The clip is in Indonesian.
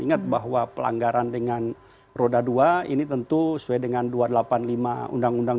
ingat bahwa pelanggaran dengan roda dua ini tentu sesuai dengan dua ratus delapan puluh lima undang undang